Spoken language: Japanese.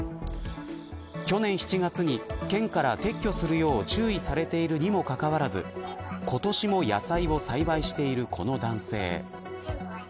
去年７月に県から撤去するよう注意されているにもかかわらず今年も野菜を栽培しているこの男性。